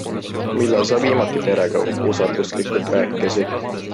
Millal sa viimati perega usalduslikult rääkisid?